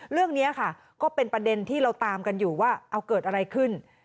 เรื่องนี้ค่ะก็เป็นประเด็นที่เราตามกันอยู่ว่าเอาเกิดอะไรขึ้น